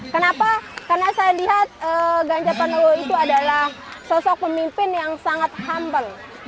kenapa karena saya lihat ganjar pranowo itu adalah sosok pemimpin yang sangat humble